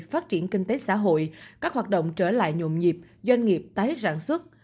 phát triển kinh tế xã hội các hoạt động trở lại nhộn nhịp doanh nghiệp tái sản xuất